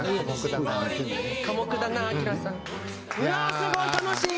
すごい楽しい！